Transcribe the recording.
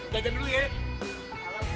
jajan dulu ya